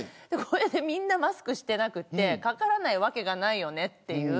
これでみんなマスクしていなくてかからないわけがないよねって。